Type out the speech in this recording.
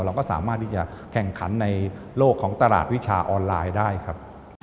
เราก็สามารถที่จะแข่งขันในโลกของตลาดวิชาออนไลน์ได้ครับ